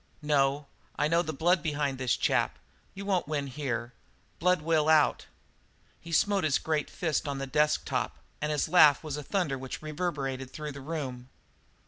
"No. I know the blood behind that chap. You won't win here. Blood will out." He smote his great fist on the desk top and his laugh was a thunder which reverberated through the room.